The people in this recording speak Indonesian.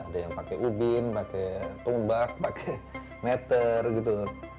ada yang pakai ubin pakai tombak pakai meter gitu